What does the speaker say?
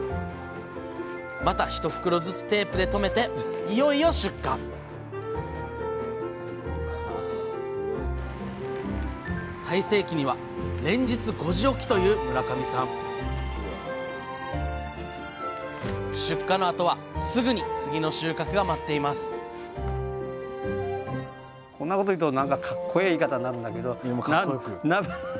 また１袋ずつテープで留めていよいよ出荷最盛期には連日５時起きという村上さん出荷のあとはすぐに次の収穫が待っていますいや